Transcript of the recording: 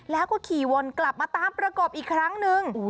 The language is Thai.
แล้วก็ขี่วนกลับมาตามประกบอีกครั้งนึง